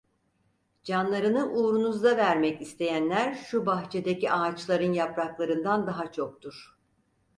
Canlarını uğrunuzda vermek isteyenler şu bahçedeki ağaçların yapraklarından daha çoktur.